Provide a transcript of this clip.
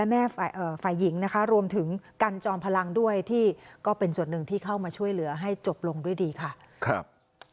มาช่วยเหลือให้จบลงด้วยดีค่ะครับ